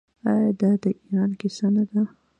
آیا دا د ایران کیسه نه ده؟